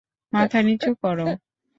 মাথা নিচু করো!